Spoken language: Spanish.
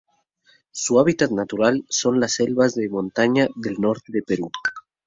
Su hábitat natural son las selvas de montaña del norte de Perú.